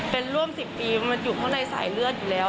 เป็นร่วม๑๐ปีมันอยู่ข้างในสายเลือดอยู่แล้ว